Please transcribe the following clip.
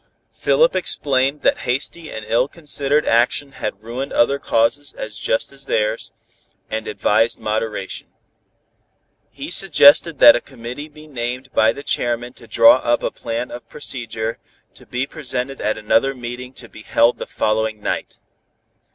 Philip explained that hasty and ill considered action had ruined other causes as just as theirs, and advised moderation. He suggested that a committee be named by the chairman to draw up a plan of procedure, to be presented at another meeting to be held the following night.